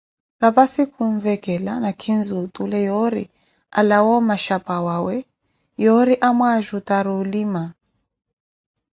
Rapasi khunvekela nakhinzi otule yoori alwawe omaxhapa wawe, yoori amwajutari olima.